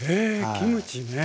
キムチねえ。